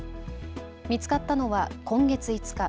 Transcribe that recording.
見つかったのは今月５日。